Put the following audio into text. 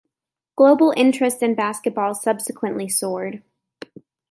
Global interest in basketball subsequently soared.